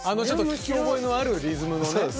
ちょっと聞き覚えのあるリズムのね。